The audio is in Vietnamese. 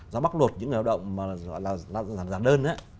do bóc lột những người hợp động mà là giảm đơn